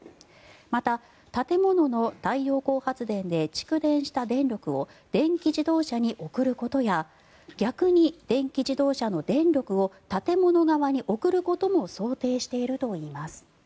また、建物の太陽光発電で蓄電した電力を電気自動車に送ることや逆に電気自動車の電力を建物側に送ることも想定しているといいます。